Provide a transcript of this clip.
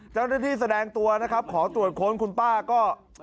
เจ้าหน้าที่แสดงตัวนะครับขอตรวจค้นคุณป้าก็